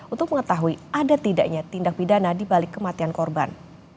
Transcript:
untuk mengetahui ada tidaknya tindak pidana dibalik kematian korban